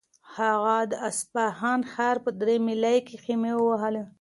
هغه د اصفهان ښار په درې میلۍ کې خیمې ووهلې.